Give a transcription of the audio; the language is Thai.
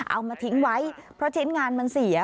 เอามาทิ้งไว้เพราะชิ้นงานมันเสีย